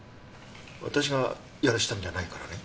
私がやらせたんじゃないからね。